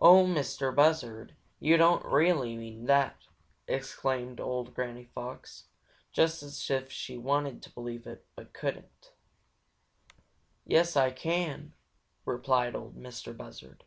"Oh, Mistah Buzzard, you don't really mean that!" exclaimed old Granny Fox, just as if she wanted to believe it, but couldn't. "Yes, Ah can!" replied Ol' Mistah Buzzard.